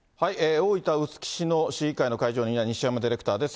大分・臼杵市の市議会の会場には、西山ディレクターです。